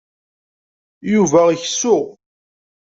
Yuba ikessu.